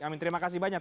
baik terima kasih banyak